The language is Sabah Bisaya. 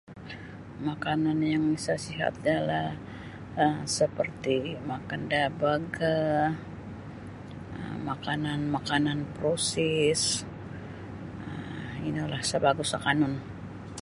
Makanan yang isa' sihat ialah um seperti makan da burger um makanan-makanan proses um inolah isa' bagus akanun.